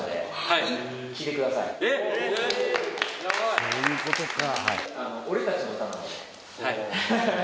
そういうことか。